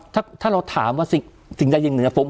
ถ้าเราถามว่าสิ่งใดอย่างเหนือผม